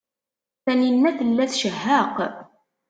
Taninna tella tcehheq.